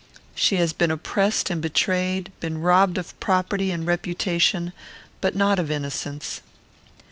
She has been oppressed and betrayed; been robbed of property and reputation but not of innocence.